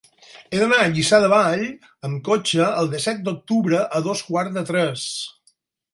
He d'anar a Lliçà de Vall amb cotxe el disset d'octubre a dos quarts de tres.